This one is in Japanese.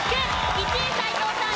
１位斎藤さん